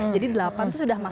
jadi delapan itu sudah masuk